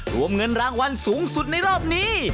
รวมเงินรางวัลสูงสุดในรอบนี้